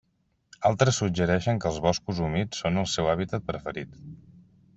Altres suggereixen que els boscos humits són el seu hàbitat preferit.